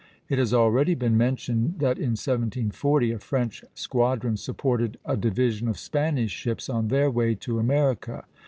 It has already been mentioned that in 1740 a French squadron supported a division of Spanish ships on their way to America.